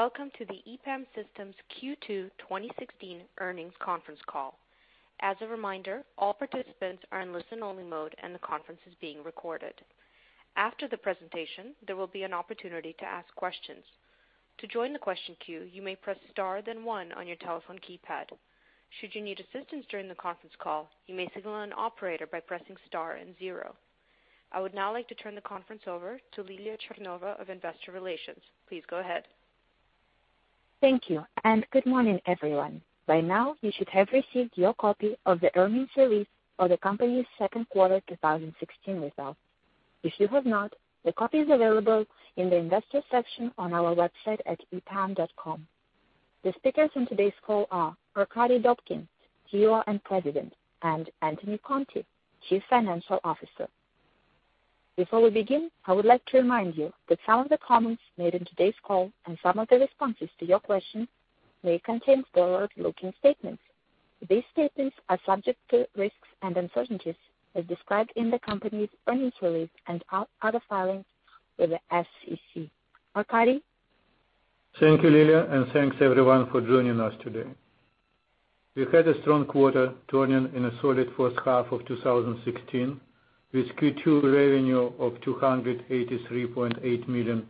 Welcome to the EPAM Systems Q2 2016 earnings conference call. As a reminder, all participants are in listen-only mode and the conference is being recorded. After the presentation, there will be an opportunity to ask questions. To join the question queue, you may press star then one on your telephone keypad. Should you need assistance during the conference call, you may signal an operator by pressing star and zero. I would now like to turn the conference over to Liliia Chernova of Investor Relations. Please go ahead. Thank you, and good morning, everyone. By now, you should have received your copy of the earnings release for the company's second quarter 2016 results. If you have not, the copy is available in the investor section on our website at epam.com. The speakers on today's call are Arkadiy Dobkin, CEO and President, and Anthony Conte, Chief Financial Officer. Before we begin, I would like to remind you that some of the comments made in today's call and some of the responses to your questions may contain forward-looking statements. These statements are subject to risks and uncertainties as described in the company's earnings release and other filings with the SEC. Arkadiy? Thank you, Lilia, and thanks everyone for joining us today. We had a strong quarter turning in a solid first half of 2016 with Q2 revenue of $283.8 million.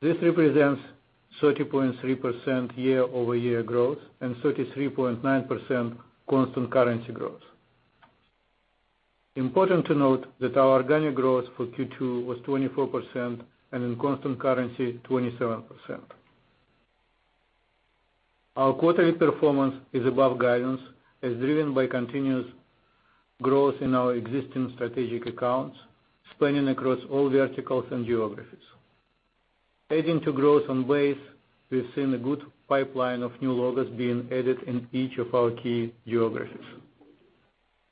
This represents 30.3% year-over-year growth and 33.9% constant currency growth. Important to note that our organic growth for Q2 was 24% and in constant currency 27%. Our quarterly performance is above guidance as driven by continuous growth in our existing strategic accounts spanning across all verticals and geographies. Adding to growth on base, we've seen a good pipeline of new logos being added in each of our key geographies.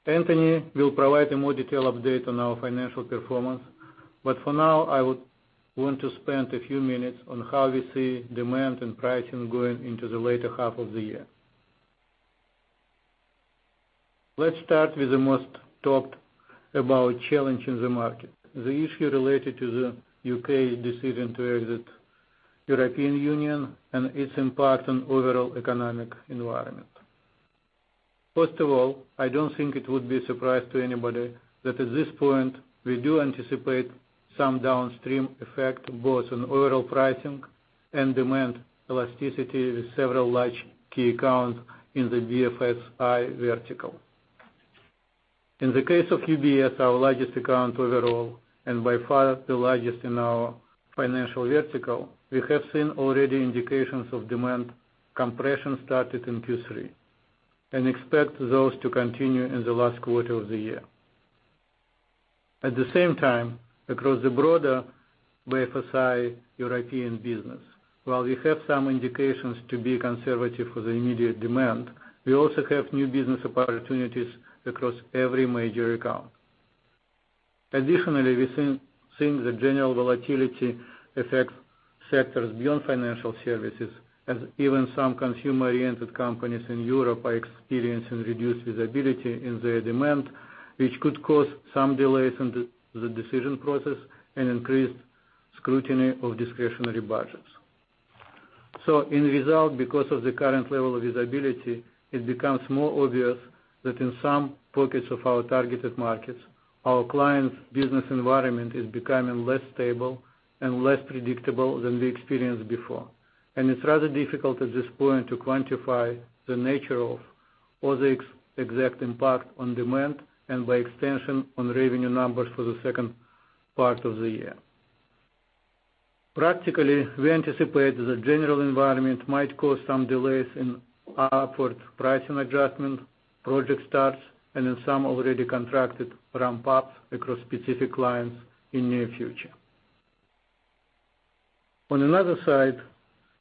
Anthony will provide a more detailed update on our financial performance, but for now I would want to spend a few minutes on how we see demand and pricing going into the later half of the year. Let's start with the most talked-about challenge in the market: the issue related to the UK's decision to exit the European Union and its impact on the overall economic environment. First of all, I don't think it would be a surprise to anybody that at this point we do anticipate some downstream effect both on overall pricing and demand elasticity with several large key accounts in the BFSI vertical. In the case of UBS, our largest account overall and by far the largest in our financial vertical, we have seen already indications of demand compression started in Q3 and expect those to continue in the last quarter of the year. At the same time, across the broader BFSI European business, while we have some indications to be conservative for the immediate demand, we also have new business opportunities across every major account. Additionally, we are seeing the general volatility affect sectors beyond financial services as even some consumer-oriented companies in Europe are experiencing reduced visibility in their demand, which could cause some delays in the decision process and increased scrutiny of discretionary budgets. As a result, because of the current level of visibility, it becomes more obvious that in some pockets of our targeted markets, our clients' business environment is becoming less stable and less predictable than we experienced before. It's rather difficult at this point to quantify the nature of or the exact impact on demand and, by extension, on revenue numbers for the second part of the year. Practically, we anticipate that the general environment might cause some delays in upward pricing adjustment, project starts, and in some already contracted ramp-ups across specific clients in the near future. On another side,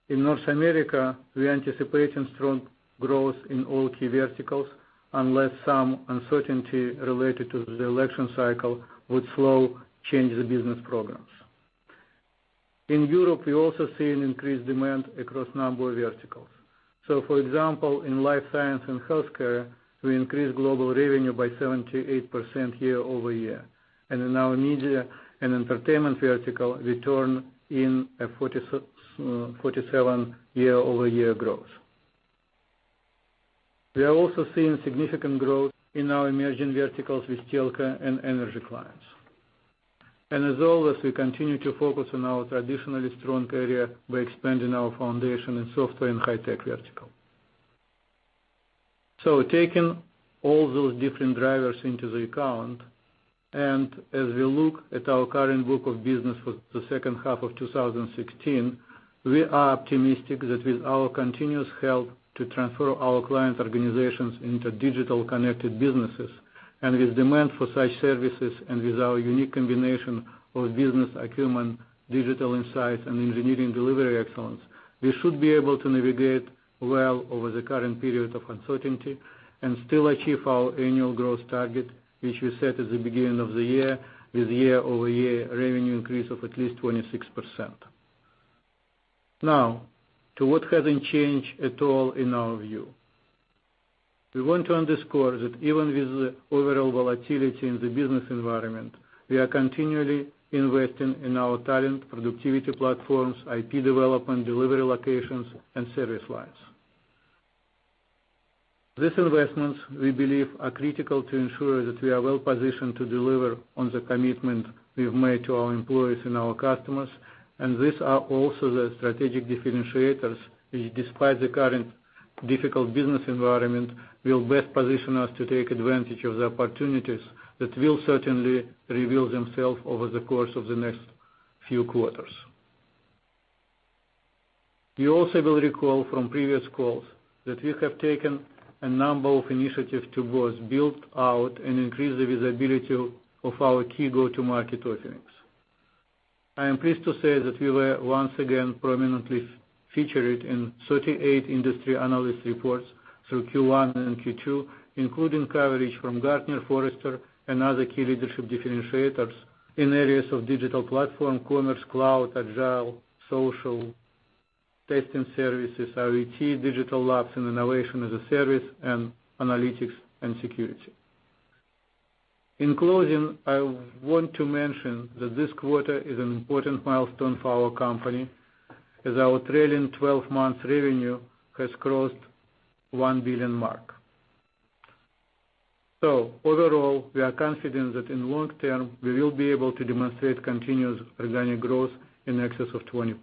in North America, we anticipate strong growth in all key verticals unless some uncertainty related to the election cycle would slow change the business programs. In Europe, we're also seeing increased demand across a number of verticals. So, for example, in life science and healthcare, we increased global revenue by 78% year-over-year. And in our media and entertainment vertical, we turn in a 47% year-over-year growth. We are also seeing significant growth in our emerging verticals with telco and energy clients. And as always, we continue to focus on our traditionally strong area by expanding our foundation in software and high-tech vertical. So, taking all those different drivers into account, and as we look at our current book of business for the second half of 2016, we are optimistic that with our continuous help to transfer our client organizations into digital-connected businesses, and with demand for such services, and with our unique combination of business acumen, digital insights, and engineering delivery excellence, we should be able to navigate well over the current period of uncertainty and still achieve our annual growth target, which we set at the beginning of the year with year-over-year revenue increase of at least 26%. Now, to what hasn't changed at all in our view? We want to underscore that even with the overall volatility in the business environment, we are continually investing in our talent productivity platforms, IP development, delivery locations, and service lines. These investments, we believe, are critical to ensure that we are well positioned to deliver on the commitment we've made to our employees and our customers, and these are also the strategic differentiators which, despite the current difficult business environment, will best position us to take advantage of the opportunities that will certainly reveal themselves over the course of the next few quarters. You also will recall from previous calls that we have taken a number of initiatives to both build out and increase the visibility of our key go-to-market offerings. I am pleased to say that we were once again prominently featured in 38 industry analyst reports through Q1 and Q2, including coverage from Gartner, Forrester, and other key leadership differentiators in areas of digital platform, commerce, cloud, agile, social, testing services, IoT, digital labs and innovation as a service, and analytics and security. In closing, I want to mention that this quarter is an important milestone for our company as our trailing 12 months revenue has crossed $1 billion mark. So, overall, we are confident that in the long term we will be able to demonstrate continuous organic growth in excess of 20%.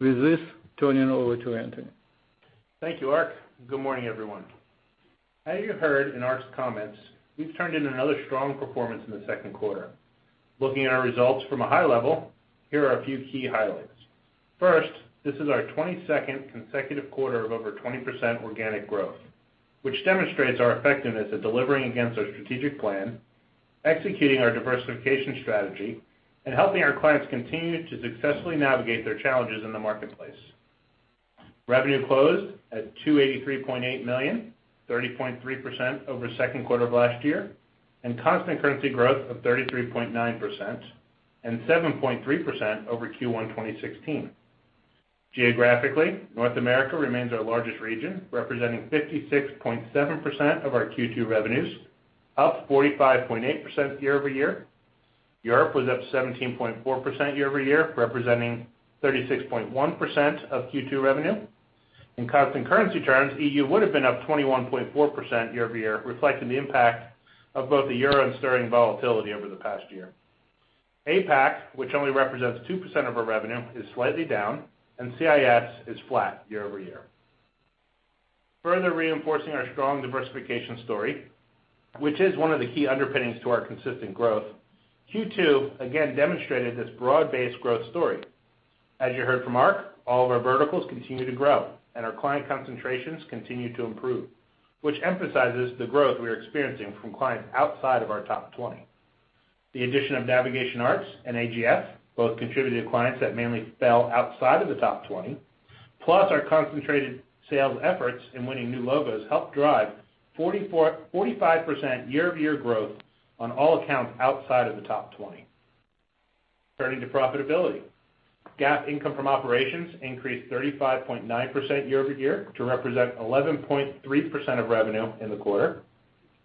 With this, turning over to Anthony. Thank you, Arkadiy. Good morning, everyone. As you heard inArkadiy's comments, we've turned in another strong performance in the second quarter. Looking at our results from a high level, here are a few key highlights. First, this is our 22nd consecutive quarter of over 20% organic growth, which demonstrates our effectiveness at delivering against our strategic plan, executing our diversification strategy, and helping our clients continue to successfully navigate their challenges in the marketplace. Revenue closed at $283.8 million, 30.3% over the second quarter of last year, and constant currency growth of 33.9% and 7.3% over Q1 2016. Geographically, North America remains our largest region, representing 56.7% of our Q2 revenues, up 45.8% year-over-year. Europe was up 17.4% year-over-year, representing 36.1% of Q2 revenue. In constant currency terms, EU would have been up 21.4% year over year, reflecting the impact of both the euro and sterling volatility over the past year. APAC, which only represents 2% of our revenue, is slightly down, and CIS is flat year over year. Further reinforcing our strong diversification story, which is one of the key underpinnings to our consistent growth, Q2 again demonstrated this broad-based growth story. As you heard fromArkadiy, all of our verticals continue to grow, and our client concentrations continue to improve, which emphasizes the growth we are experiencing from clients outside of our top 20. The addition of Navigation Arts and AGS both contributed to clients that mainly fell outside of the top 20, plus our concentrated sales efforts in winning new logos helped drive 44%-45% year-over-year growth on all accounts outside of the top 20. Turning to profitability, GAAP income from operations increased 35.9% year-over-year to represent 11.3% of revenue in the quarter.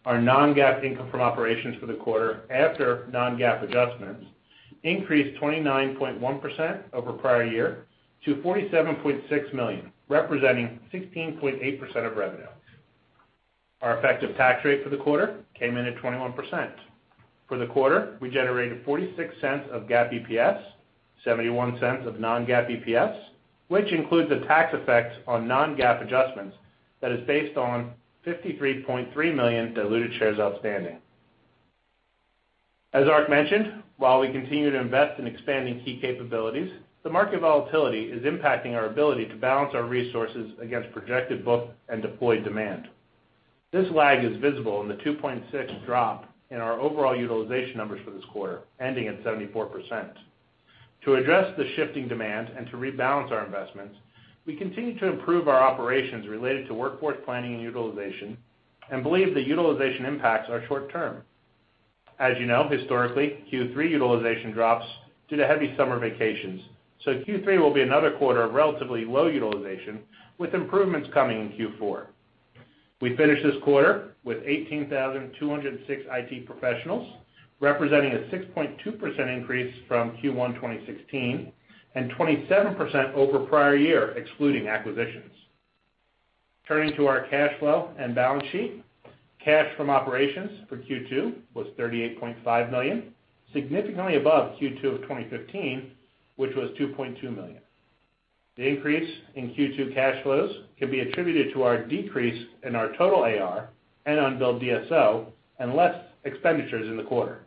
Our non-GAAP income from operations for the quarter after non-GAAP adjustments increased 29.1% over prior-year to $47.6 million, representing 16.8% of revenue. Our effective tax rate for the quarter came in at 21%. For the quarter, we generated $0.46 of GAAP EPS, $0.71 of non-GAAP EPS, which includes the tax effect on non-GAAP adjustments that is based on 53.3 million diluted shares outstanding. AsArkadiy mentioned, while we continue to invest in expanding key capabilities, the market volatility is impacting our ability to balance our resources against projected book and deployed demand. This lag is visible in the 2.6% drop in our overall utilization numbers for this quarter, ending at 74%. To address the shifting demand and to rebalance our investments, we continue to improve our operations related to workforce planning and utilization and believe the utilization impacts are short-term. As you know, historically, Q3 utilization drops due to heavy summer vacations, so Q3 will be another quarter of relatively low utilization with improvements coming in Q4. We finished this quarter with 18,206 IT professionals, representing a 6.2% increase from Q1 2016 and 27% over prior year excluding acquisitions. Turning to our cash flow and balance sheet, cash from operations for Q2 was $38.5 million, significantly above Q2 of 2015, which was $2.2 million. The increase in Q2 cash flows can be attributed to our decrease in our total AR and unbilled DSO and less expenditures in the quarter.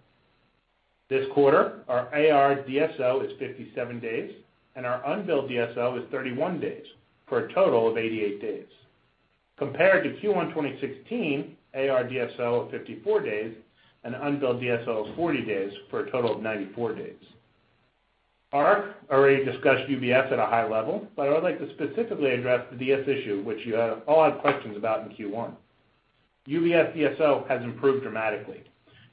This quarter, our AR DSO is 57 days, and our unbilled DSO is 31 days for a total of 88 days. Compared to Q1 2016, AR DSO of 54 days and unbilled DSO of 40 days for a total of 94 days. Arkadiy already discussed UBS at a high level, but I would like to specifically address the UBS issue, which you all had questions about in Q1. UBS DSO has improved dramatically.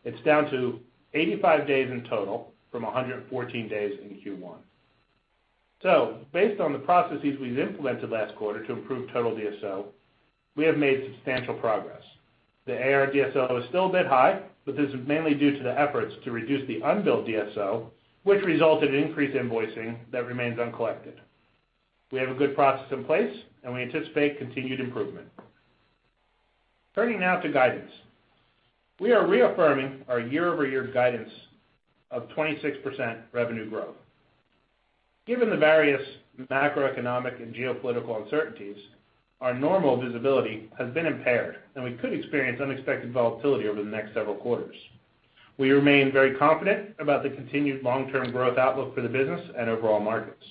It's down to 85 days in total from 114 days in Q1. So, based on the processes we've implemented last quarter to improve total DSO, we have made substantial progress. The AR DSO is still a bit high, but this is mainly due to the efforts to reduce the unbilled DSO, which resulted in increased invoicing that remains uncollected. We have a good process in place, and we anticipate continued improvement. Turning now to guidance, we are reaffirming our year-over-year guidance of 26% revenue growth. Given the various macroeconomic and geopolitical uncertainties, our normal visibility has been impaired, and we could experience unexpected volatility over the next several quarters. We remain very confident about the continued long-term growth outlook for the business and overall markets.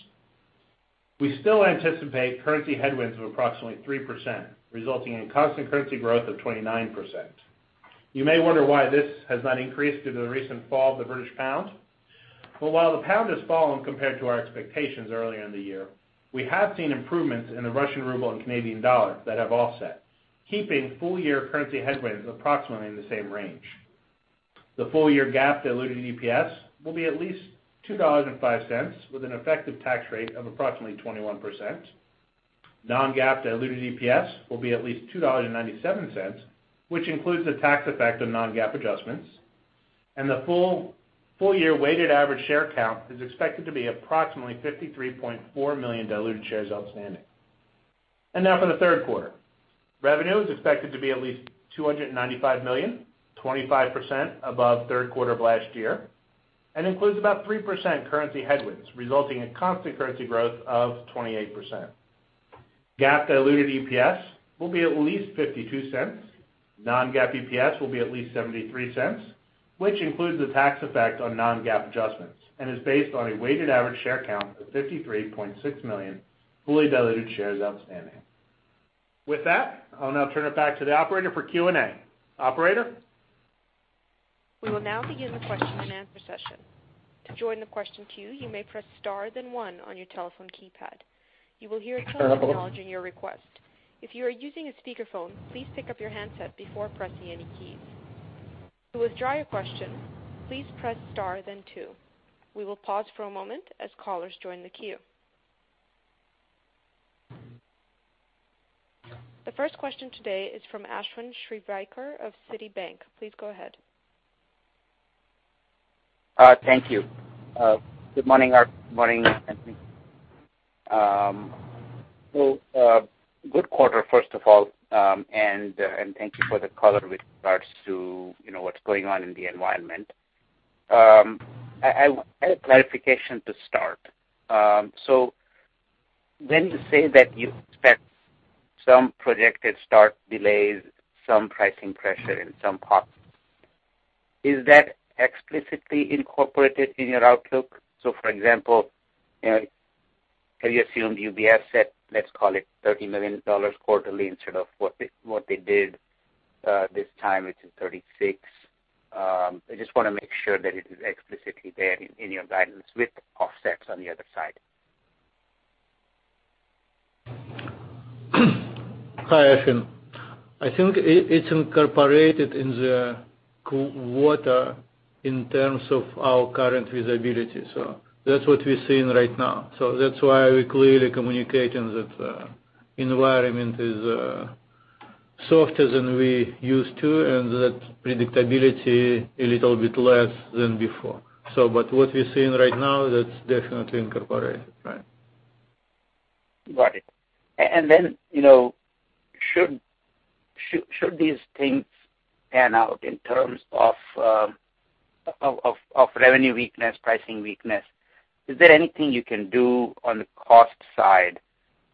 We still anticipate currency headwinds of approximately 3%, resulting in constant currency growth of 29%. You may wonder why this has not increased due to the recent fall of the British pound. But while the pound has fallen compared to our expectations earlier in the year, we have seen improvements in the Russian ruble and Canadian dollar that have offset, keeping full-year currency headwinds approximately in the same range. The full-year GAAP diluted EPS will be at least $2.05 with an effective tax rate of approximately 21%. Non-GAAP diluted EPS will be at least $2.97, which includes the tax effect on non-GAAP adjustments. The full-year weighted average share count is expected to be approximately 53.4 million diluted shares outstanding. Now for the third quarter. Revenue is expected to be at least $295 million, 25% above third quarter of last year, and includes about 3% currency headwinds, resulting in constant currency growth of 28%. GAAP diluted EPS will be at least $0.52. Non-GAAP EPS will be at least $0.73, which includes the tax effect on non-GAAP adjustments and is based on a weighted average share count of 53.6 million fully diluted shares outstanding. With that, I'll now turn it back to the operator for Q&A. Operator? We will now begin the question and answer session. To join the question queue, you may press star then one on your telephone keypad. You will hear a telephone acknowledging your request. If you are using a speakerphone, please pick up your handset before pressing any keys. To withdraw your question, please press star then two. We will pause for a moment as callers join the queue. The first question today is from Ashwin Shirvaikar of Citi. Please go ahead. Thank you. Good morning, Arkadiy. Good morning, Anthony. So, good quarter, first of all, and thank you for the call with regards to what's going on in the environment. I have clarification to start. So, when you say that you expect some projected start delays, some pricing pressure in some pockets, is that explicitly incorporated in your outlook? So, for example, have you assumed UBS set, let's call it $30 million quarterly instead of what they did this time, which is $36 million? I just want to make sure that it is explicitly there in your guidance with offsets on the other side. Hi, Ashwin. I think it's incorporated in the quarter in terms of our current visibility. So, that's what we're seeing right now. So, that's why we're clearly communicating that the environment is softer than we used to and that predictability is a little bit less than before. So, but what we're seeing right now, that's definitely incorporated, right? Got it. And then, should these things pan out in terms of revenue weakness, pricing weakness, is there anything you can do on the cost side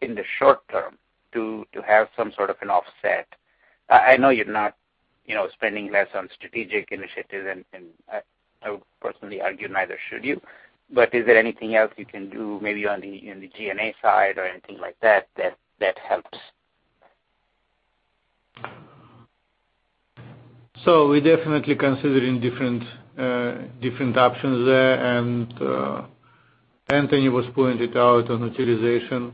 in the short term to have some sort of an offset? I know you're not spending less on strategic initiatives, and I would personally argue neither should you, but is there anything else you can do maybe on the G&A side or anything like that that helps? So, we're definitely considering different options there, and Anthony was pointing out on utilization,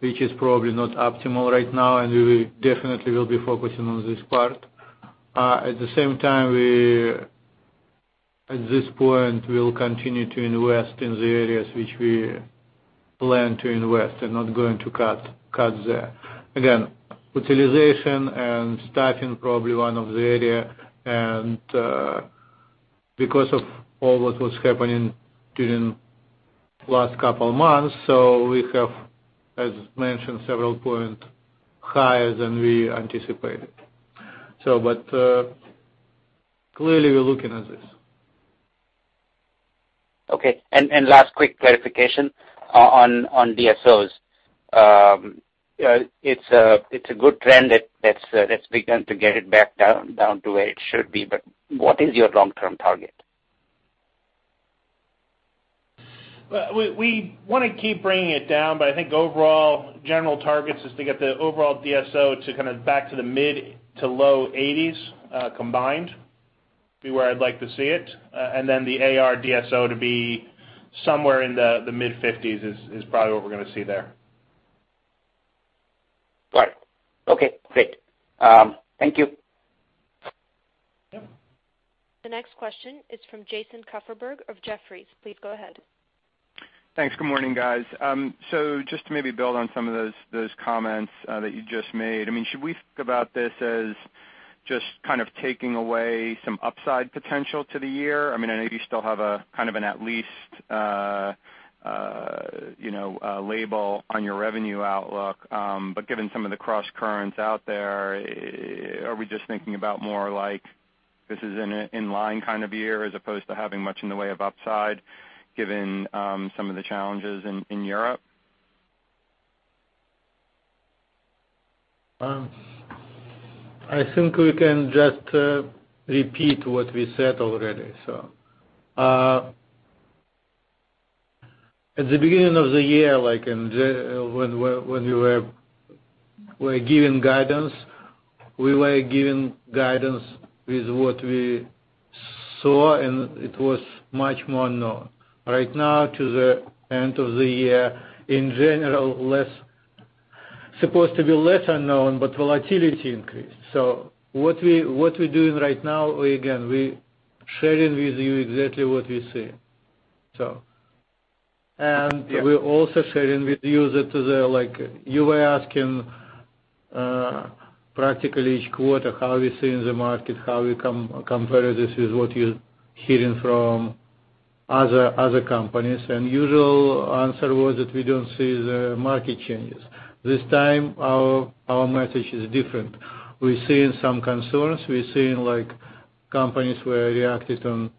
which is probably not optimal right now, and we definitely will be focusing on this part. At the same time, at this point, we'll continue to invest in the areas which we plan to invest and not going to cut there. Again, utilization and staffing is probably one of the areas, and because of all what was happening during the last couple of months, so we have, as mentioned, several points higher than we anticipated. So, but clearly we're looking at this. Okay. And last quick clarification on DSOs. It's a good trend that's begun to get it back down to where it should be, but what is your long-term target? We want to keep bringing it down, but I think overall general targets is to get the overall DSO to kind of back to the mid- to low 80s combined would be where I'd like to see it, and then the AR DSO to be somewhere in the mid-50s is probably what we're going to see there. Got it. Okay. Great. Thank you. The next question is from Jason Kupferberg of Jefferies. Please go ahead. Thanks. Good morning, guys. So, just to maybe build on some of those comments that you just made, I mean, should we think about this as just kind of taking away some upside potential to the year? I mean, I know you still have kind of an at-least label on your revenue outlook, but given some of the cross-currents out there, are we just thinking about more like this is an in-line kind of year as opposed to having much in the way of upside given some of the challenges in Europe? I think we can just repeat what we said already. So, at the beginning of the year, when we were giving guidance, we were giving guidance with what we saw, and it was much more known. Right now, to the end of the year, in general, supposed to be lesser known, but volatility increased. So, what we're doing right now, again, we're sharing with you exactly what we see. So, and we're also sharing with you that you were asking practically each quarter how we see in the market, how we compare this with what you're hearing from other companies, and the usual answer was that we don't see the market changes. This time, our message is different. We're seeing some concerns. We're seeing companies who have reacted on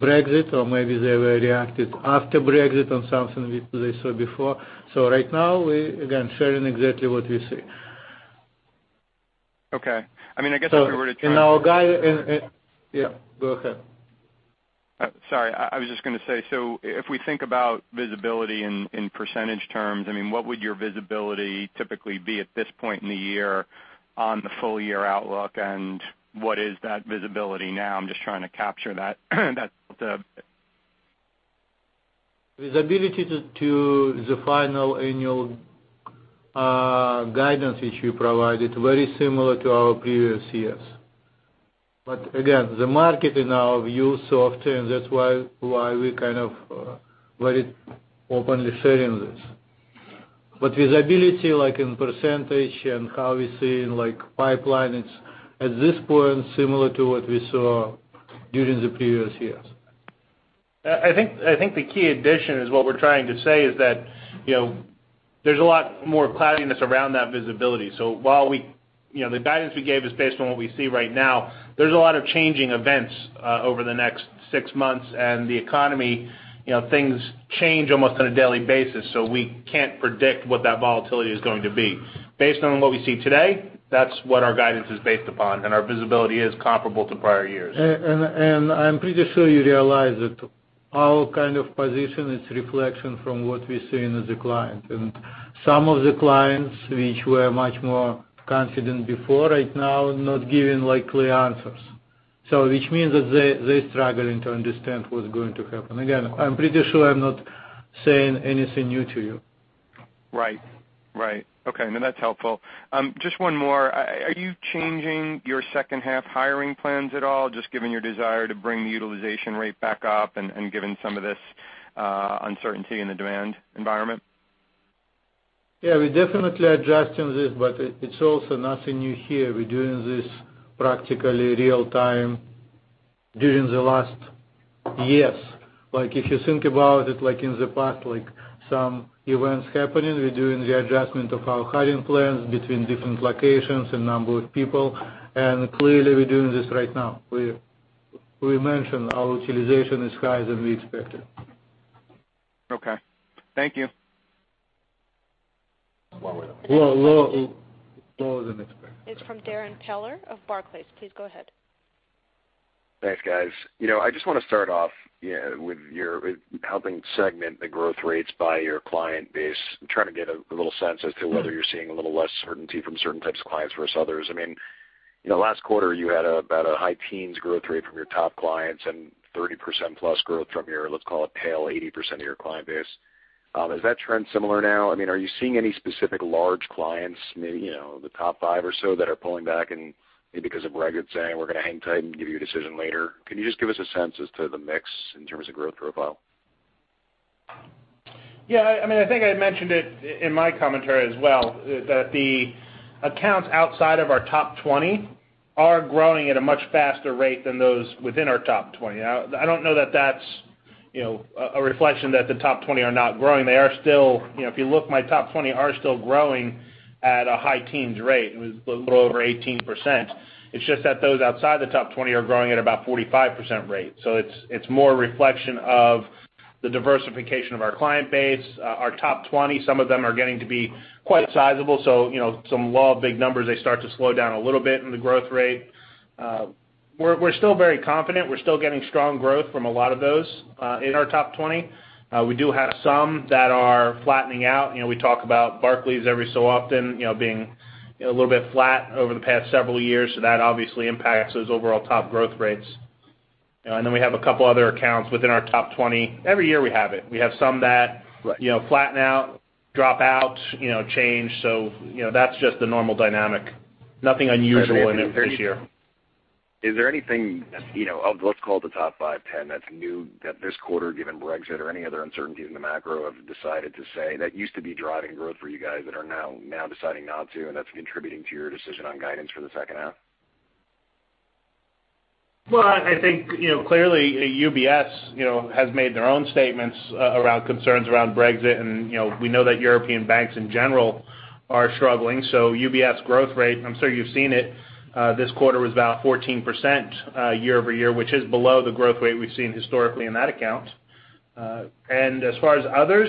Brexit, or maybe they have reacted after Brexit on something they saw before. Right now, we're again sharing exactly what we see. Okay. I mean, I guess if we were to try. In our guide, yeah, go ahead. Sorry. I was just going to say, so if we think about visibility in percentage terms, I mean, what would your visibility typically be at this point in the year on the full-year outlook, and what is that visibility now? I'm just trying to capture that. Visibility to the final annual guidance, which we provided, is very similar to our previous years. But again, the market, in our view, is softer, and that's why we're kind of very openly sharing this. But visibility in percentage and how we see in pipeline, it's, at this point, similar to what we saw during the previous years. I think the key addition is what we're trying to say, is that there's a lot more cloudiness around that visibility. While the guidance we gave is based on what we see right now, there's a lot of changing events over the next six months, and the economy, things change almost on a daily basis, so we can't predict what that volatility is going to be. Based on what we see today, that's what our guidance is based upon, and our visibility is comparable to prior years. I'm pretty sure you realize that our kind of position is a reflection from what we're seeing as a client. Some of the clients, which were much more confident before, right now are not giving clear answers, which means that they're struggling to understand what's going to happen. Again, I'm pretty sure I'm not saying anything new to you. Right. Right. Okay. No, that's helpful. Just one more. Are you changing your second-half hiring plans at all, just given your desire to bring the utilization rate back up and given some of this uncertainty in the demand environment? Yeah. We're definitely adjusting this, but it's also nothing new here. We're doing this practically real-time during the last years. If you think about it, in the past, some events happening, we're doing the adjustment of our hiring plans between different locations and number of people, and clearly, we're doing this right now. We mentioned our utilization is higher than we expected. Okay. Thank you. Lower than expected. Lower than expected. It's from Darrin Peller of Barclays. Please go ahead. Thanks, guys. I just want to start off with helping segment the growth rates by your client base. I'm trying to get a little sense as to whether you're seeing a little less certainty from certain types of clients versus others. I mean, last quarter, you had about a high-teens growth rate from your top clients and 30%+ growth from your, let's call it, tail 80% of your client base. Is that trend similar now? I mean, are you seeing any specific large clients, maybe the top 5 or so, that are pulling back because of Brexit, saying, "We're going to hang tight and give you a decision later"? Can you just give us a sense as to the mix in terms of growth profile? Yeah. I mean, I think I mentioned it in my commentary as well, that the accounts outside of our top 20 are growing at a much faster rate than those within our top 20. Now, I don't know that that's a reflection that the top 20 are not growing. They are still, if you look, my top 20 are still growing at a high teens rate. It was a little over 18%. It's just that those outside the top 20 are growing at about a 45% rate. So, it's more a reflection of the diversification of our client base. Our top 20, some of them are getting to be quite sizable, so some large, big numbers, they start to slow down a little bit in the growth rate. We're still very confident. We're still getting strong growth from a lot of those in our top 20. We do have some that are flattening out. We talk about Barclays every so often being a little bit flat over the past several years, so that obviously impacts those overall top growth rates. And then we have a couple other accounts within our top 20. Every year, we have it. We have some that flatten out, drop out, change, so that's just the normal dynamic. Nothing unusual in it this year. Is there anything of, let's call it, the top 5, 10 that's new that this quarter, given Brexit or any other uncertainties in the macro, have decided to say that used to be driving growth for you guys that are now deciding not to, and that's contributing to your decision on guidance for the second half? Well, I think clearly, UBS has made their own statements around concerns around Brexit, and we know that European banks, in general, are struggling. So, UBS growth rate, I'm sure you've seen it, this quarter was about 14% year-over-year, which is below the growth rate we've seen historically in that account. And as far as others,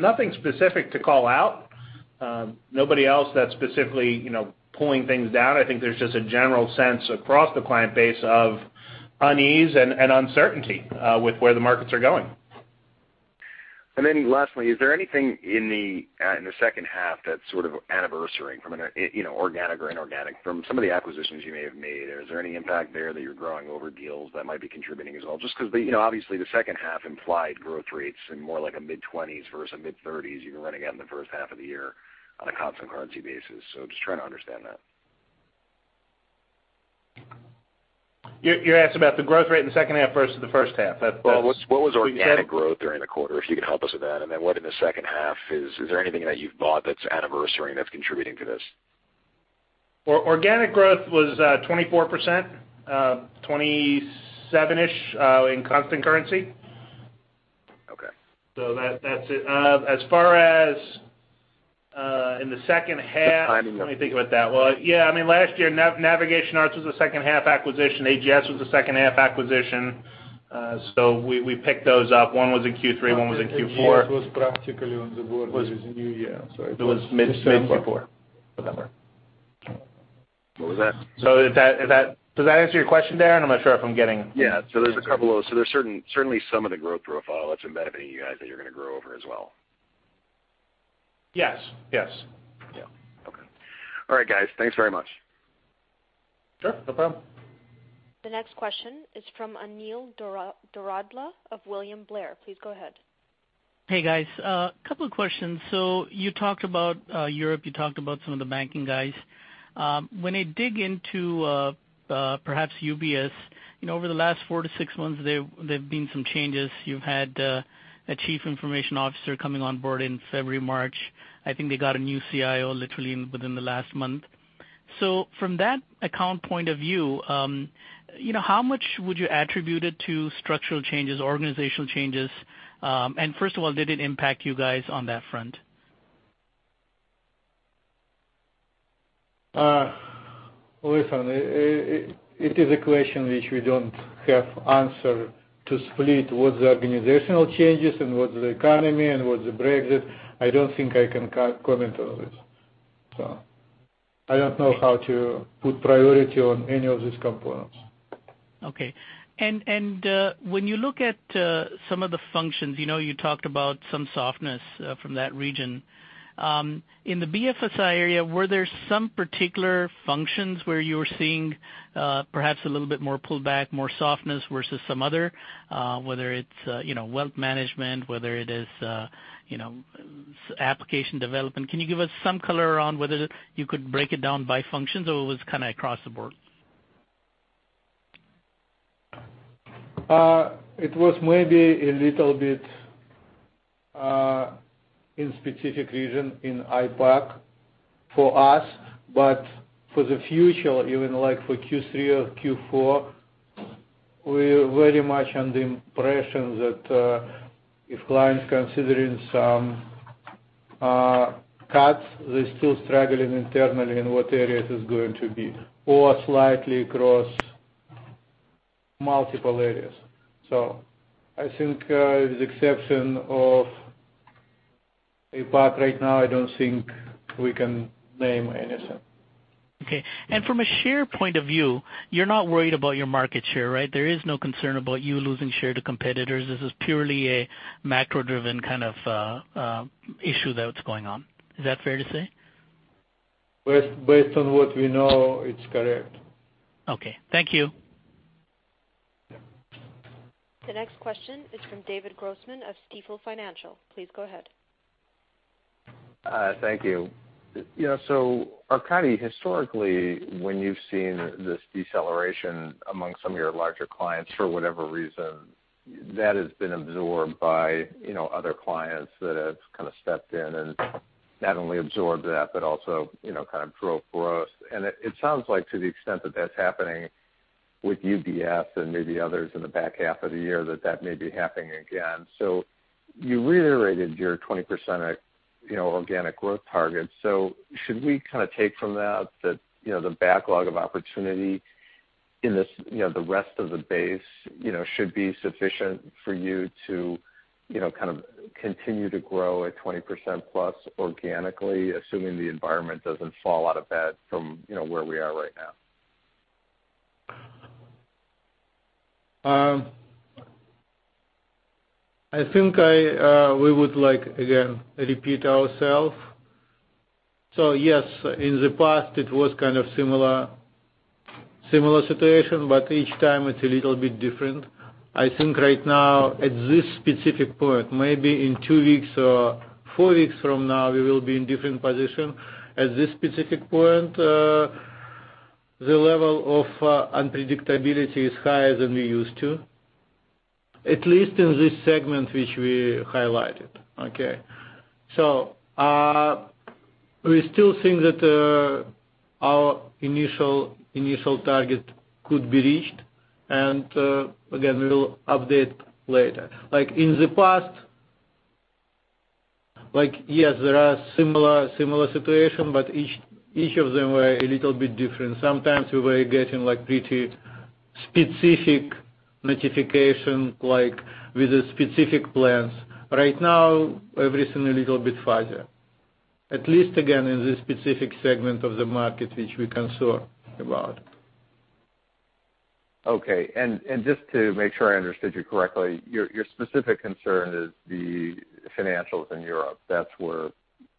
nothing specific to call out. Nobody else that's specifically pulling things down. I think there's just a general sense across the client base of unease and uncertainty with where the markets are going. And then lastly, is there anything in the second half that's sort of anniversary from an organic or inorganic? From some of the acquisitions you may have made, is there any impact there that you're growing over deals that might be contributing as well? Just because obviously, the second half implied growth rates in more like a mid-20s versus a mid-30s. You're running out in the first half of the year on a constant currency basis, so just trying to understand that. You asked about the growth rate in the second half versus the first half. Well, what was organic growth during the quarter, if you could help us with that? And then what in the second half is there anything that you've bought that's anniversary that's contributing to this? Organic growth was 24%, 27-ish in constant currency. Okay. That's it. As far as in the second half, let me think about that. Well, yeah. I mean, last year, Navigation Arts was a second-half acquisition. AGS was a second-half acquisition, so we picked those up. One was in Q3. One was in Q4. AGS was practically on the border with the new year, so I think. It was mid Q4, November. What was that? So, does that answer your question there, and I'm not sure if I'm getting. Yeah. So there's certainly some of the growth profile that's embedded in you guys that you're going to grow over as well. Yes. Yes. Yeah. Okay. All right, guys. Thanks very much. Sure. No problem. The next question is from Anil Doradla of William Blair. Please go ahead. Hey, guys. A couple of questions. So you talked about Europe. You talked about some of the banking guys. When I dig into perhaps UBS, over the last 4-6 months, there've been some changes. You've had a chief information officer coming on board in February, March. I think they got a new CIO literally within the last month. So from that account point of view, how much would you attribute it to structural changes, organizational changes? And first of all, did it impact you guys on that front? Listen, it is a question which we don't have an answer to split what's the organizational changes and what's the economy and what's the Brexit. I don't think I can comment on this. So I don't know how to put priority on any of these components. Okay. And when you look at some of the functions, you talked about some softness from that region. In the BFSI area, were there some particular functions where you were seeing perhaps a little bit more pullback, more softness versus some other, whether it's wealth management, whether it is application development? Can you give us some color around whether you could break it down by functions, or it was kind of across the board? It was maybe a little bit in specific region in IPAC for us, but for the future, even for Q3 or Q4, we're very much under impression that if clients are considering some cuts, they're still struggling internally in what areas it's going to be, or slightly across multiple areas. So I think with the exception of IPAC right now, I don't think we can name anything. Okay. From a share point of view, you're not worried about your market share, right? There is no concern about you losing share to competitors. This is purely a macro-driven kind of issue that's going on. Is that fair to say? Based on what we know, it's correct. Okay. Thank you. The next question is from David Grossman of Stifel Financial. Please go ahead. Thank you. So our company, historically, when you've seen this deceleration among some of your larger clients, for whatever reason, that has been absorbed by other clients that have kind of stepped in and not only absorbed that but also kind of drove growth. And it sounds like, to the extent that that's happening with UBS and maybe others in the back half of the year, that that may be happening again. So you reiterated your 20% organic growth target. So should we kind of take from that that the backlog of opportunity in the rest of the base should be sufficient for you to kind of continue to grow at 20%+ organically, assuming the environment doesn't fall out of bed from where we are right now? I think we would like, again, to repeat ourselves. So yes, in the past, it was kind of a similar situation, but each time, it's a little bit different. I think right now, at this specific point, maybe in two weeks or four weeks from now, we will be in a different position. At this specific point, the level of unpredictability is higher than we used to, at least in this segment which we highlighted. Okay? So we still think that our initial target could be reached, and again, we'll update later. In the past, yes, there was a similar situation, but each of them were a little bit different. Sometimes, we were getting pretty specific notifications with specific plans. Right now, everything is a little bit fuzzier, at least again in this specific segment of the market which we concern about. Okay. Just to make sure I understood you correctly, your specific concern is the financials in Europe. That's where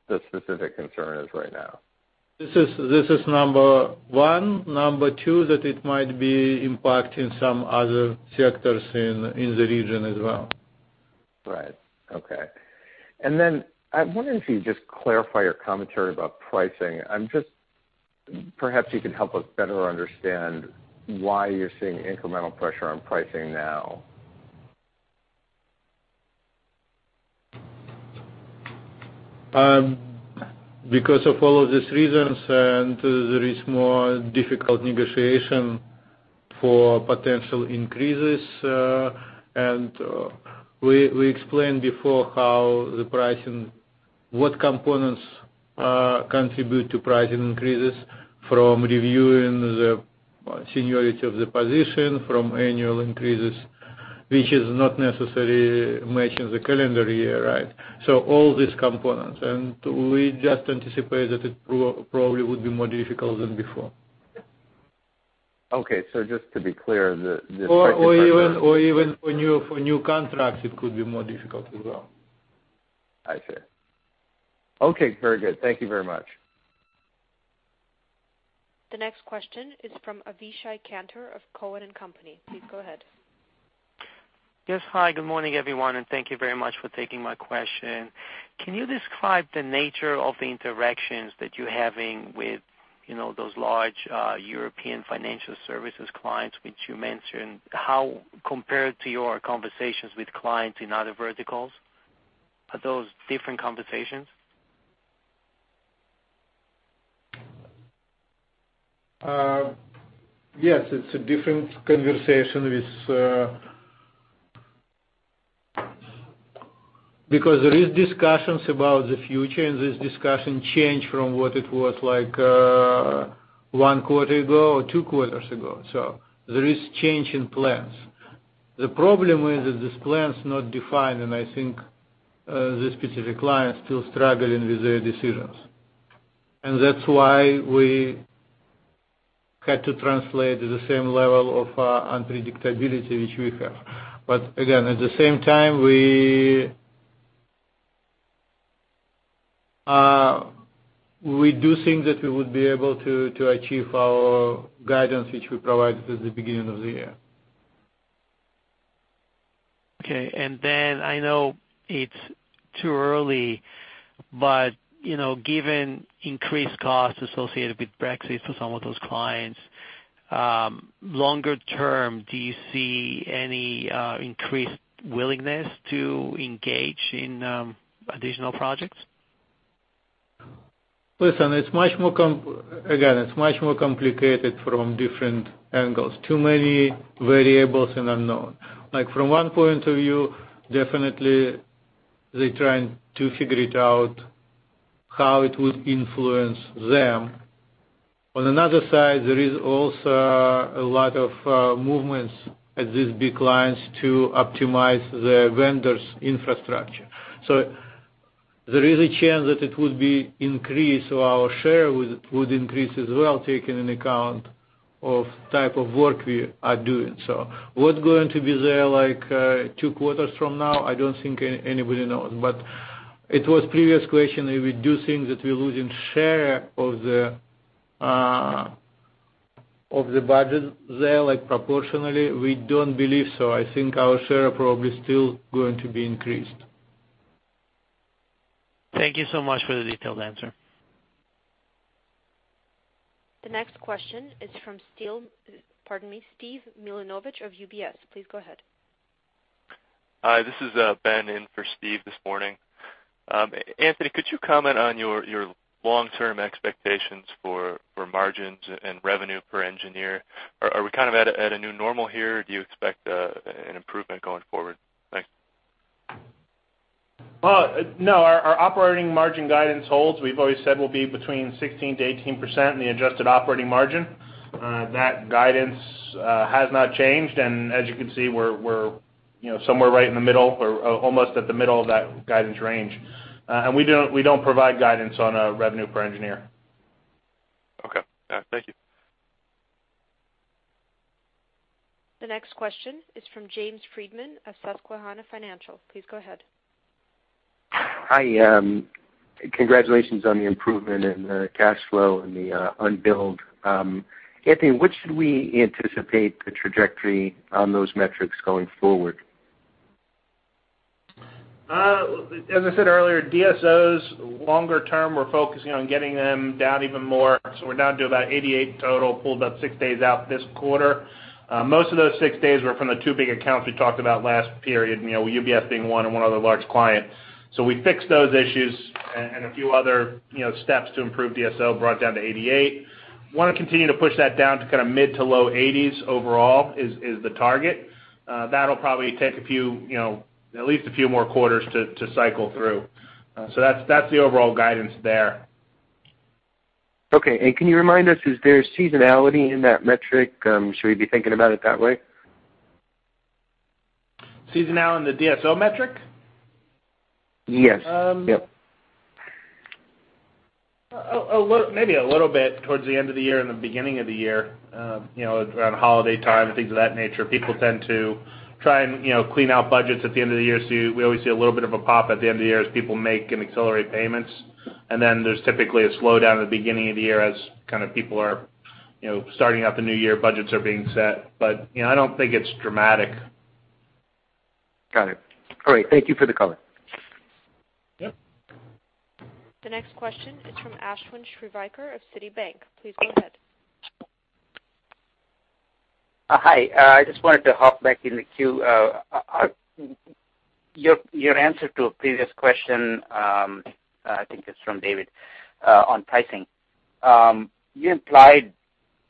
the specific concern is right now. This is number 1. Number 2, that it might be impacting some other sectors in the region as well. Right. Okay. And then I'm wondering if you could just clarify your commentary about pricing. Perhaps you could help us better understand why you're seeing incremental pressure on pricing now. Because of all of these reasons, and there is more difficult negotiation for potential increases. We explained before what components contribute to pricing increases from reviewing the seniority of the position, from annual increases, which is not necessarily matching the calendar year, right? So all these components. We just anticipate that it probably would be more difficult than before. Okay. So just to be clear, the pricing part. Or even for new contracts, it could be more difficult as well. I see. Okay. Very good. Thank you very much. The next question is from Avishai Kantor of Cowen and Company. Please go ahead. Yes. Hi. Good morning, everyone, and thank you very much for taking my question. Can you describe the nature of the interactions that you're having with those large European financial services clients which you mentioned compared to your conversations with clients in other verticals? Are those different conversations? Yes. It's a different conversation because there are discussions about the future, and these discussions change from what it was one quarter ago or two quarters ago. There is a change in plans. The problem is that these plans are not defined, and I think these specific clients are still struggling with their decisions. That's why we had to translate to the same level of unpredictability which we have. But again, at the same time, we do think that we would be able to achieve our guidance which we provided at the beginning of the year. Okay. And then I know it's too early, but given increased costs associated with Brexit for some of those clients, longer-term, do you see any increased willingness to engage in additional projects? Listen, again, it's much more complicated from different angles. Too many variables and unknowns. From one point of view, definitely, they're trying to figure it out how it would influence them. On another side, there are also a lot of movements at these big clients to optimize their vendors' infrastructure. So there is a chance that it would be an increase of our share would increase as well, taking into account the type of work we are doing. So what's going to be there two quarters from now, I don't think anybody knows. But it was a previous question. If we do think that we're losing share of the budget there proportionally, we don't believe so. I think our share is probably still going to be increased. Thank you so much for the detailed answer. The next question is from Steve Milunovich. Please go ahead. This is Ben in for Steve this morning. Anthony, could you comment on your long-term expectations for margins and revenue per engineer? Are we kind of at a new normal here, or do you expect an improvement going forward? Thanks. Well, no. Our operating margin guidance holds. We've always said it will be between 16%-18% in the adjusted operating margin. That guidance has not changed, and as you can see, we're somewhere right in the middle or almost at the middle of that guidance range. And we don't provide guidance on revenue per engineer. Okay. All right. Thank you. The next question is from James Friedman of Susquehanna Financial. Please go ahead. Hi. Congratulations on the improvement in the cash flow and the unbilled. Anthony, what should we anticipate the trajectory on those metrics going forward? As I said earlier, DSOs, longer-term, we're focusing on getting them down even more. So we're down to about 88 total, pulled about 6 days out this quarter. Most of those 6 days were from the two big accounts we talked about last period, UBS being one and one other large client. So we fixed those issues, and a few other steps to improve DSO brought down to 88. We want to continue to push that down to kind of mid- to low 80s overall is the target. That'll probably take at least a few more quarters to cycle through. So that's the overall guidance there. Okay. And can you remind us, is there seasonality in that metric? Should we be thinking about it that way? Seasonality in the DSO metric? Yes. Yep. Maybe a little bit towards the end of the year and the beginning of the year, around holiday time and things of that nature, people tend to try and clean out budgets at the end of the year. So we always see a little bit of a pop at the end of the year as people make and accelerate payments. And then there's typically a slowdown at the beginning of the year as kind of people are starting out the new year, budgets are being set. But I don't think it's dramatic. Got it. All right. Thank you for the comment. Yep. The next question is from Ashwin Shirvaikar of Citi. Please go ahead. Hi. I just wanted to hop back in the queue. Your answer to a previous question, I think it's from David, on pricing, you implied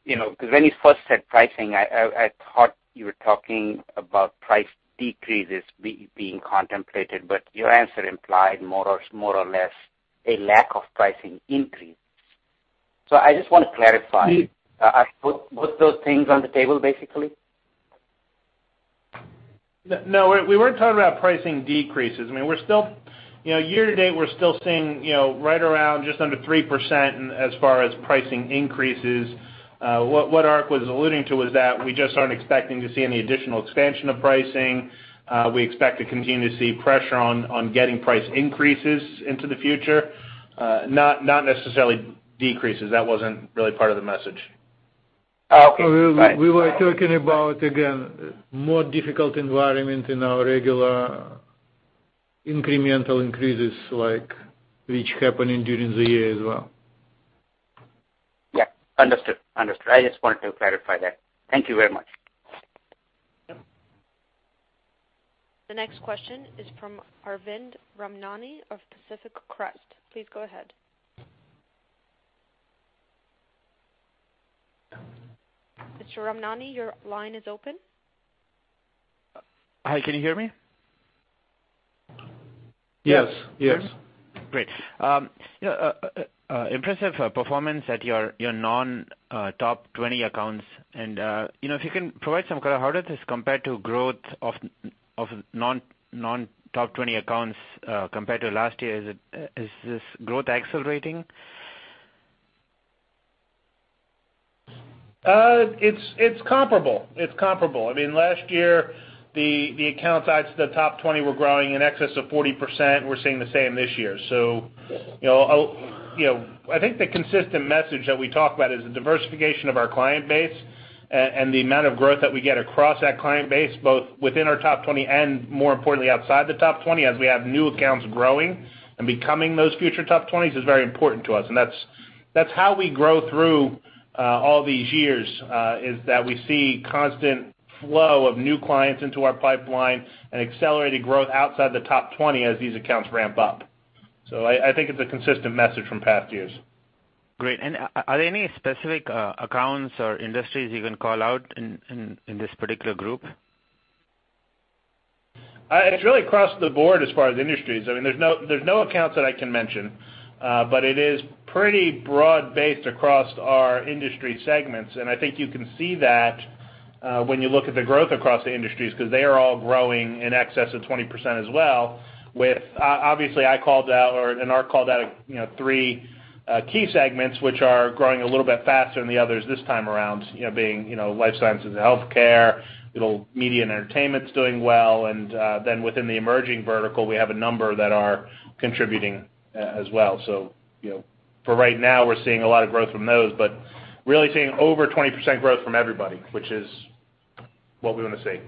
because when you first said pricing, I thought you were talking about price decreases being contemplated, but your answer implied more or less a lack of pricing increase. So I just want to clarify. Are both those things on the table, basically? No. We weren't talking about pricing decreases. I mean, year to date, we're still seeing right around just under 3% as far as pricing increases. What Ark was alluding to was that we just aren't expecting to see any additional expansion of pricing. We expect to continue to see pressure on getting price increases into the future, not necessarily decreases. That wasn't really part of the message. Okay. We were talking about, again, a more difficult environment in our regular incremental increases which happened during the year as well. Yeah. Understood. Understood. I just wanted to clarify that. Thank you very much. Yep. The next question is from Arvind Ramnani of Pacific Crest. Please go ahead. Mr. Ramnani, your line is open. Hi. Can you hear me? Yes. Yes. Great. Impressive performance at your non-top 20 accounts. If you can provide some kind of how does this compare to growth of non-top 20 accounts compared to last year? Is this growth accelerating? It's comparable. It's comparable. I mean, last year, the accounts outside the top 20 were growing in excess of 40%. We're seeing the same this year. So I think the consistent message that we talk about is the diversification of our client base and the amount of growth that we get across that client base, both within our top 20 and, more importantly, outside the top 20, as we have new accounts growing and becoming those future top 20s is very important to us. And that's how we grow through all these years, is that we see a constant flow of new clients into our pipeline and accelerated growth outside the top 20 as these accounts ramp up. So I think it's a consistent message from past years. Great. Are there any specific accounts or industries you can call out in this particular group? It's really across the board as far as industries. I mean, there's no accounts that I can mention, but it is pretty broad-based across our industry segments. I think you can see that when you look at the growth across the industries because they are all growing in excess of 20% as well. Obviously, I called out or Ark called out three key segments which are growing a little bit faster than the others this time around, being life sciences, healthcare, little media and entertainment is doing well. And then within the emerging vertical, we have a number that are contributing as well. So for right now, we're seeing a lot of growth from those, but really seeing over 20% growth from everybody, which is what we want to see.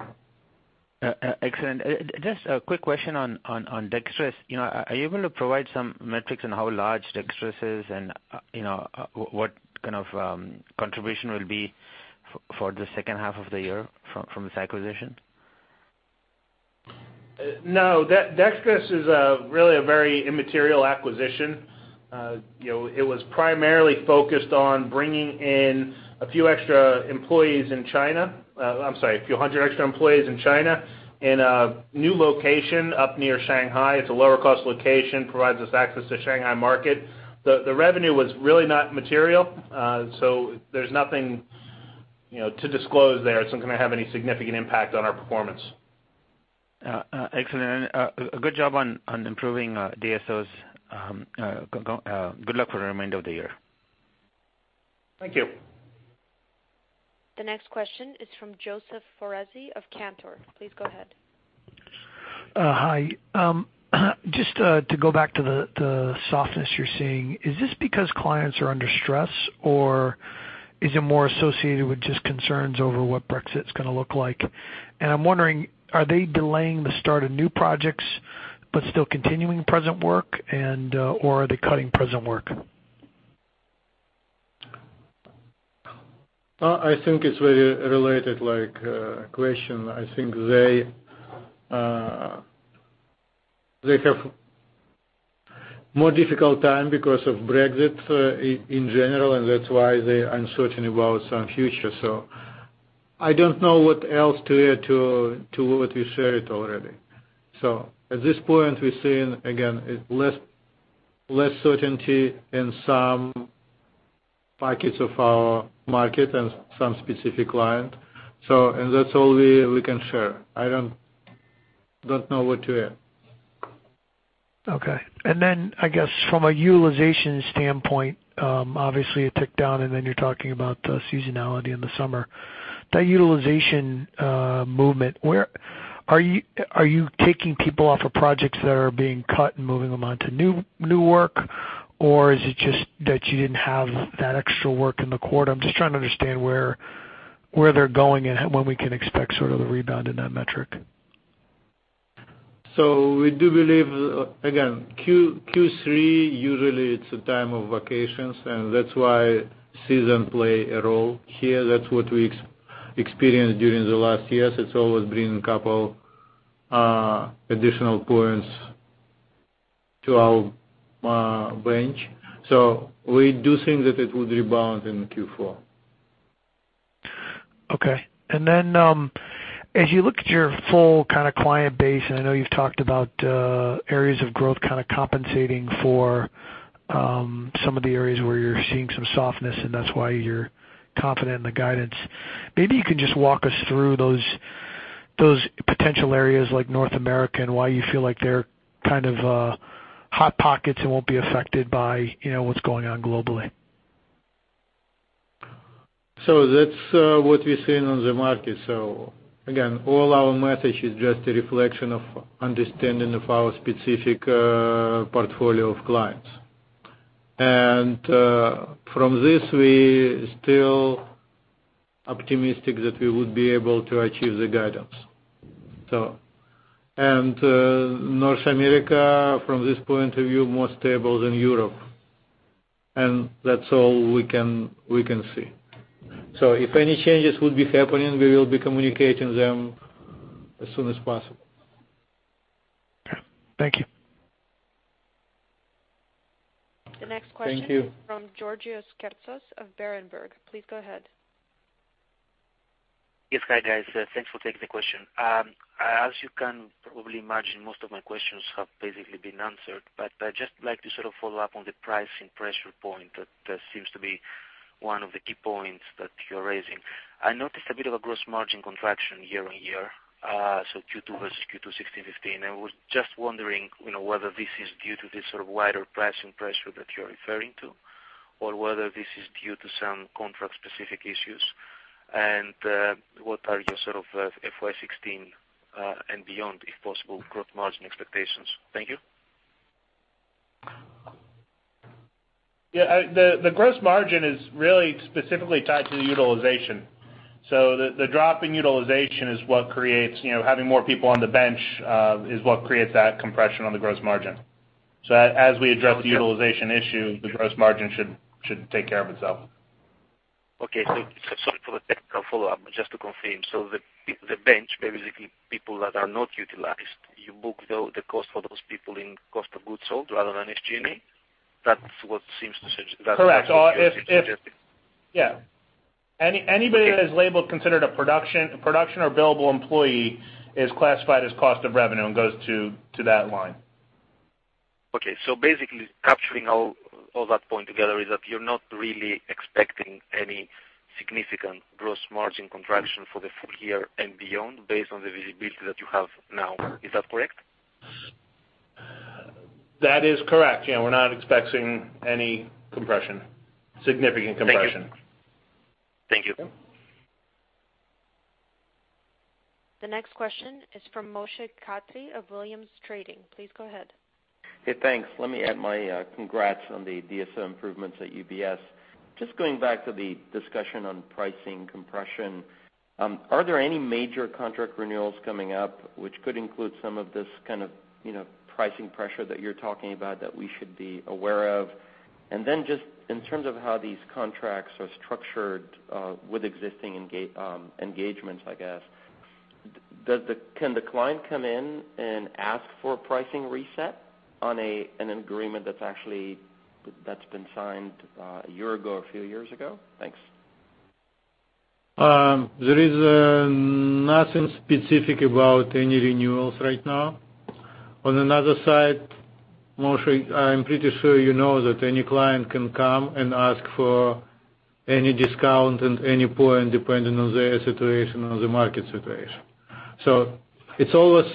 Excellent. Just a quick question on Dextrys. Are you able to provide some metrics on how large Dextrys is and what kind of contribution will be for the second half of the year from this acquisition? No. Dextrys is really a very immaterial acquisition. It was primarily focused on bringing in a few extra employees in China. I'm sorry, a few hundred extra employees in China in a new location up near Shanghai. It's a lower-cost location, provides us access to the Shanghai market. The revenue was really not material. There's nothing to disclose there that's going to have any significant impact on our performance. Excellent. A good job on improving DSOs. Good luck for the remainder of the year. Thank you. The next question is from Joseph Foresi of Cantor. Please go ahead. Hi. Just to go back to the softness you're seeing, is this because clients are under stress, or is it more associated with just concerns over what Brexit is going to look like? And I'm wondering, are they delaying the start of new projects but still continuing present work, or are they cutting present work? I think it's a very related question. I think they have a more difficult time because of Brexit in general, and that's why they are uncertain about some future. I don't know what else to add to what you shared already. At this point, we're seeing, again, less certainty in some pockets of our market and some specific clients. That's all we can share. I don't know what to add. Okay. And then, I guess, from a utilization standpoint, obviously, it ticked down, and then you're talking about seasonality in the summer. That utilization movement, are you taking people off of projects that are being cut and moving them onto new work, or is it just that you didn't have that extra work in the quarter? I'm just trying to understand where they're going and when we can expect sort of the rebound in that metric. So we do believe, again, Q3, usually, it's a time of vacations, and that's why season plays a role here. That's what we experienced during the last year. It's always bringing a couple of additional points to our bench. So we do think that it would rebound in Q4. Okay. And then as you look at your full kind of client base, and I know you've talked about areas of growth kind of compensating for some of the areas where you're seeing some softness, and that's why you're confident in the guidance, maybe you can just walk us through those potential areas like North America and why you feel like they're kind of hot pockets and won't be affected by what's going on globally. So that's what we're seeing on the market. So again, all our message is just a reflection of understanding of our specific portfolio of clients. And from this, we're still optimistic that we would be able to achieve the guidance. And North America, from this point of view, is more stable than Europe. And that's all we can see. So if any changes would be happening, we will be communicating them as soon as possible. Okay. Thank you. The next question is from Georgios Kertsos of Berenberg. Please go ahead. Yes. Hi, guys. Thanks for taking the question. As you can probably imagine, most of my questions have basically been answered, but I'd just like to sort of follow up on the pricing pressure point that seems to be one of the key points that you're raising. I noticed a bit of a gross margin contraction year-over-year, so Q2 versus Q2 2016/2015. And we're just wondering whether this is due to this sort of wider pricing pressure that you're referring to or whether this is due to some contract-specific issues. And what are your sort of FY2016 and beyond, if possible, gross margin expectations? Thank you. Yeah. The gross margin is really specifically tied to the utilization. So the drop in utilization is what creates having more people on the bench is what creates that compression on the gross margin. So as we address the utilization issue, the gross margin should take care of itself. Okay. So sorry for the technical follow-up. Just to confirm, so the bench, basically, people that are not utilized, you book the cost for those people in cost of goods sold rather than SG&A? That's what seems to suggest. Correct. Yeah. Anybody that is labeled considered a production or billable employee is classified as cost of revenue and goes to that line. Okay. So basically, capturing all that point together is that you're not really expecting any significant gross margin contraction for the full year and beyond based on the visibility that you have now. Is that correct? That is correct. Yeah. We're not expecting any significant compression. Thank you. The next question is from Moshe Katri of Williams Trading. Please go ahead. Hey. Thanks. Let me add my congrats on the DSO improvements at UBS. Just going back to the discussion on pricing compression, are there any major contract renewals coming up which could include some of this kind of pricing pressure that you're talking about that we should be aware of? And then just in terms of how these contracts are structured with existing engagements, I guess, can the client come in and ask for a pricing reset on an agreement that's been signed a year ago or a few years ago? Thanks. There is nothing specific about any renewals right now. On another side, Moshe, I'm pretty sure you know that any client can come and ask for any discount and any point depending on their situation or the market situation. So it always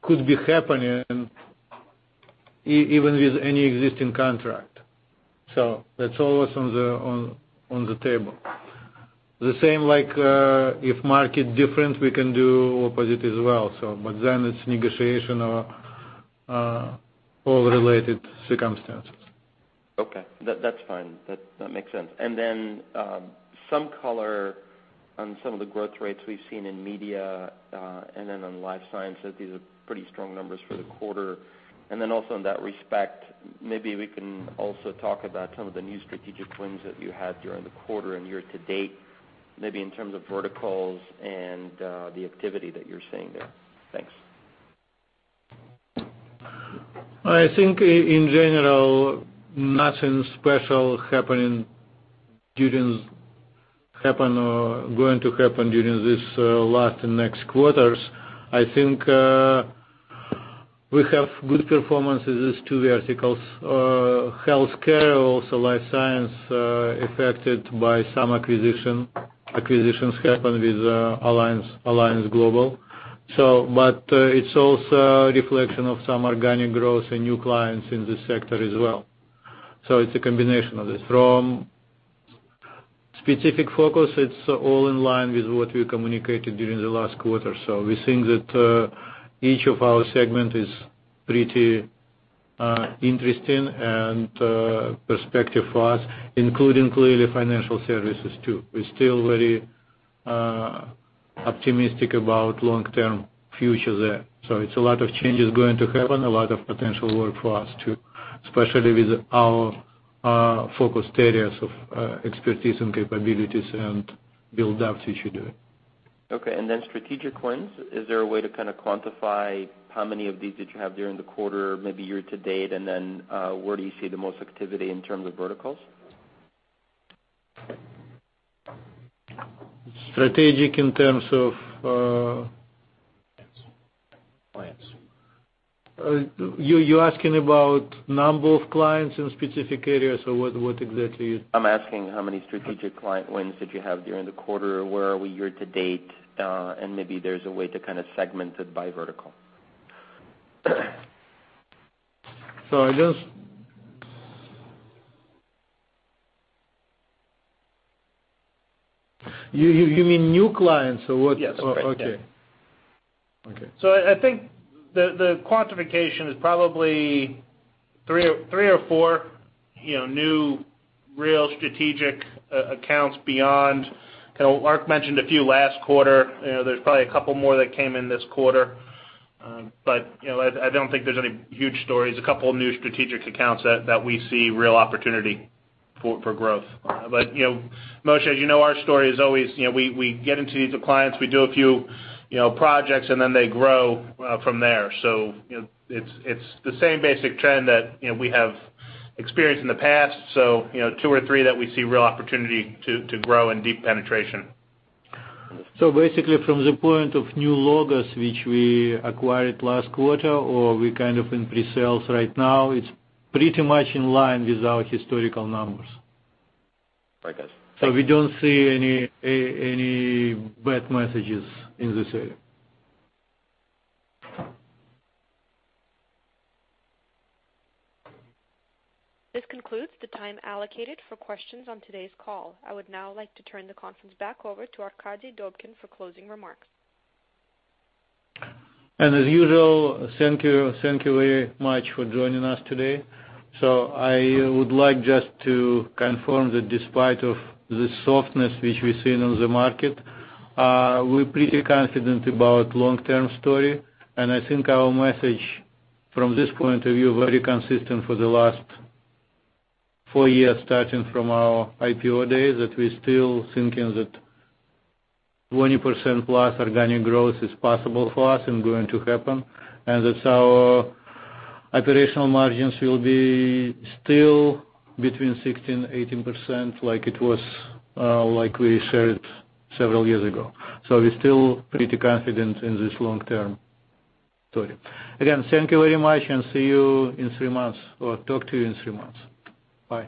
could be happening even with any existing contract. So that's always on the table. The same, if market is different, we can do the opposite as well, but then it's negotiation or all-related circumstances. Okay. That's fine. That makes sense. And then some color on some of the growth rates we've seen in media and then on life sciences, these are pretty strong numbers for the quarter. And then also in that respect, maybe we can also talk about some of the new strategic wins that you had during the quarter and year to date, maybe in terms of verticals and the activity that you're seeing there. Thanks. I think, in general, nothing special happening or going to happen during these last and next quarters. I think we have good performance in these two verticals: healthcare, also life sciences, affected by some acquisitions. Acquisitions happened with Alliance Global, but it's also a reflection of some organic growth and new clients in this sector as well. So it's a combination of this. From a specific focus, it's all in line with what we communicated during the last quarter. So we think that each of our segments is pretty interesting and prospective for us, including clearly financial services too. We're still very optimistic about long-term futures there. So it's a lot of changes going to happen, a lot of potential work for us too, especially with our focused areas of expertise and capabilities and buildups we should do. Okay. And then strategic wins, is there a way to kind of quantify how many of these did you have during the quarter, maybe year to date, and then where do you see the most activity in terms of verticals? Strategic in terms of? Clients. You're asking about number of clients in specific areas, or what exactly you? I'm asking how many strategic client wins did you have during the quarter, where are we year to date, and maybe there's a way to kind of segment it by vertical? You mean new clients, or what? Yes. I think. Okay. Okay. So I think the quantification is probably 3 or 4 new real strategic accounts beyond kind of Ark mentioned a few last quarter. There's probably a couple more that came in this quarter, but I don't think there's any huge stories. A couple new strategic accounts that we see real opportunity for growth. But Moshe, as you know, our story is always we get into these clients. We do a few projects, and then they grow from there. So it's the same basic trend that we have experienced in the past. So 2 or 3 that we see real opportunity to grow and deep penetration. So basically, from the point of new logos which we acquired last quarter or we're kind of in presales right now, it's pretty much in line with our historical numbers. Right, guys. Thank you. We don't see any bad messages in this area. This concludes the time allocated for questions on today's call. I would now like to turn the conference back over to Arkadiy Dobkin for closing remarks. As usual, thank you very much for joining us today. I would like just to confirm that despite the softness which we're seeing on the market, we're pretty confident about the long-term story. I think our message, from this point of view, is very consistent for the last four years starting from our IPO days that we're still thinking that 20%-plus organic growth is possible for us and going to happen, and that our operational margins will be still between 16%-18% like we shared several years ago. We're still pretty confident in this long-term story. Again, thank you very much, and see you in three months or talk to you in three months. Bye.